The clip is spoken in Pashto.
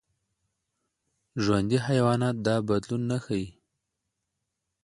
ژوندي حیوانات دا بدلون نه ښيي.